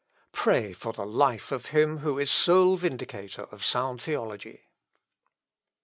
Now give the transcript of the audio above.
Pray for the life of him who is sole vindicator of sound theology."